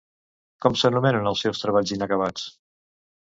Com s'anomenen els seus treballs inacabats?